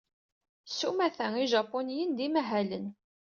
S umata, ijapuniyen d imahalen.